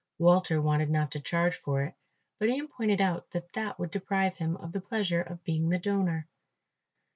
Walter wanted not to charge for it, but Ian pointed out that that would deprive him of the pleasure of being the donor.